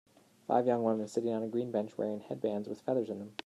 Five young women sitting on a green bench wearing headbands with feathers in them.